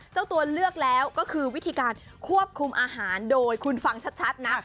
เจ้าตัวเลือกแล้วก็คือวิธีการควบคุมอาหารโดยคุณฟังชัดนะ